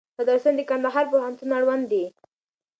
دا درسونه د کندهار پوهنتون اړوند دي.